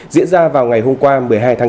diễn ra vào ngày hôm qua một mươi hai tháng chín